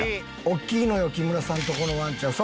「おっきいのよ木村さんとこのワンちゃん」